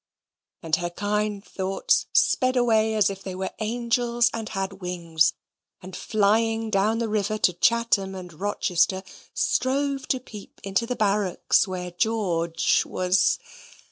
And her kind thoughts sped away as if they were angels and had wings, and flying down the river to Chatham and Rochester, strove to peep into the barracks where George was.